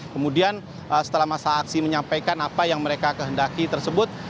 kemudian setelah masa aksi menyampaikan apa yang mereka kehendaki tersebut